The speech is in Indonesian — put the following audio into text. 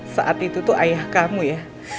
saat itu tuh ayah kamu ya